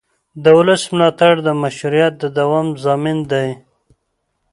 د ولس ملاتړ د مشروعیت د دوام ضامن دی